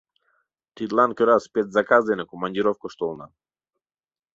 Тидлан кӧра спецзаказ дене командировкыш толынам.